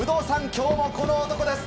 今日もこの男です。